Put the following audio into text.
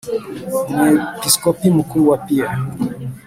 Umwepisikopi mukuru wa pear